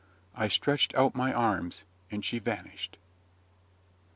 I stretched out my arms, and she vanished.